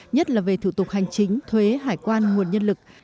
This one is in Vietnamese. nhất là về thủ tục hành chính thuế hải quan nguồn nhân lực